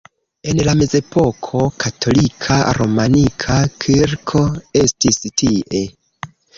En la mezepoko katolika romanika kirko estis tie.